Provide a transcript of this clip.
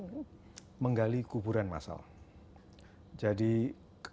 jadi kebanyakan korban ini karena mayoritas pemerintah